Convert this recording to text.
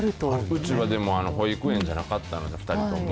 うちは保育園じゃなかったので、２人とも。